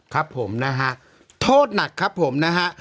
ครับผมนะฮะโทษหนักครับผมนะฮะ